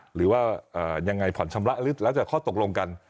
หรือว่ายังไงผ่อนชำระแล้วจะเคาะตกลงกัน